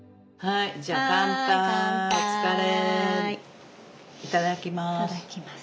いただきます。